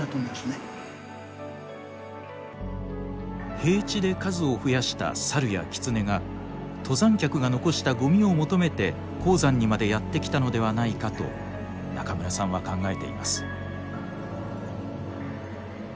平地で数を増やしたサルやキツネが登山客が残したゴミを求めて高山にまでやって来たのではないかと中村さんは考えています。